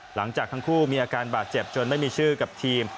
หลังจากทั้งคู่มีอาการบาดเจ็บจนไม่มีชื่อกับทีม